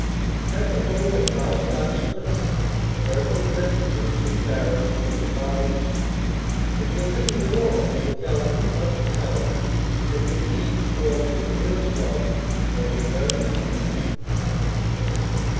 At the home of Graustark's princess Beverly met the dukes and barons from the far east; it was in the warmth of the Calhoun hospitality that Yetive formed her dearest love for the American people.